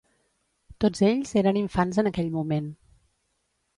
Tots ells eren infants en aquell moment.